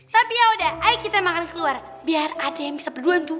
tapi yaudah ayo kita makan di luar biar ada yang bisa berduan tuh